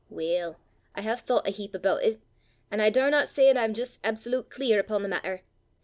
"Weel, I hae thoucht a heap aboot it, an' I daurna say 'at I'm jist absolute clear upo' the maitter.